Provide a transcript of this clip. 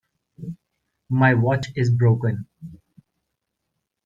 My watch is broken.